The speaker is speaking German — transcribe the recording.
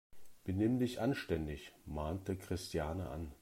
Benimm dich anständig!, mahnte Christiane an.